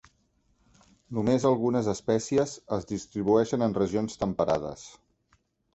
Només algunes espècies es distribueixen en regions temperades.